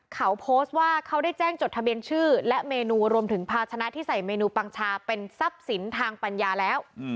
เขาโพสต์ว่าเขาได้แจ้งจดทะเบียนชื่อและเมนูรวมถึงภาชนะที่ใส่เมนูปังชาเป็นทรัพย์สินทางปัญญาแล้ว